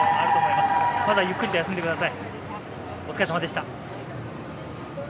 まずはゆっくりと休んでください。